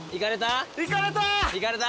いかれた？